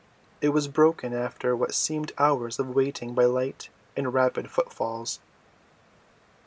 It was broken after what seemed hours of waiting by light and rapid footfalls.